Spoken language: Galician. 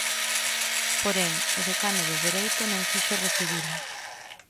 Porén, o decano de Dereito non quixo recibila.